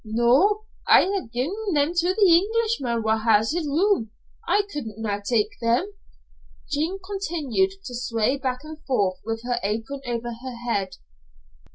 "No. I ha'e gi'en them to the Englishman wha' has his room. I could na' tak them." Jean continued to sway back and forth with her apron over her head.